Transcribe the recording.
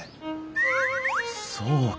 そうか。